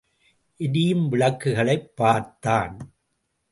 எரியும் விளக்குகளைப் பார்த்தான்.